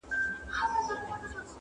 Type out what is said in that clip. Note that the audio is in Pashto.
چي پر خوله به یې راتله هغه کېدله؛